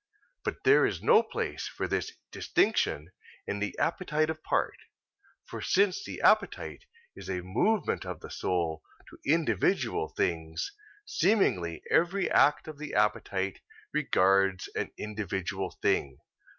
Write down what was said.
But there is no place for this distinction in the appetitive part: for since the appetite is a movement of the soul to individual things, seemingly every act of the appetite regards an individual thing.